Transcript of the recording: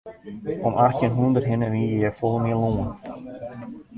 Om achttjin hûndert hinne wie hjir folle mear lân.